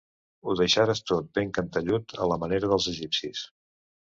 Ho deixares tot ben cantellut a la manera dels egipcis.